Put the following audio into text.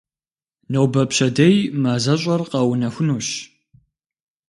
Нобэ-пщэдей мазэщӏэр къэунэхунущ.